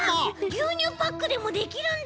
ぎゅうにゅうパックでもできるんだ！